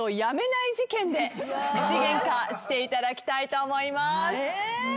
口ゲンカしていただきたいと思います。